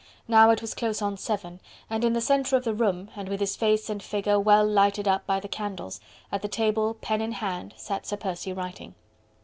Now it was close on seven, and in the centre of the room and with his face and figure well lighted up by the candles, at the table pen in hand sat Sir Percy writing.